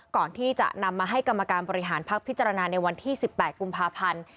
ก่อนที่จะนำมาให้กรรมการบริหารพักพิจารณาในวันที่๑๘กุมภาพันธ์